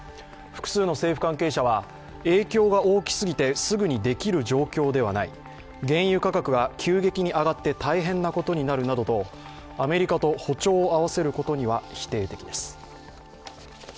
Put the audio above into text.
複数の政府関係者は影響が大きすぎてすぐにできる状況ではない、原油価格が急激に上がって大変なことになるなどとアメリカと歩調を合わせることには否定的です。